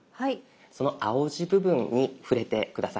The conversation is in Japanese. その青字部分に触れて下さい。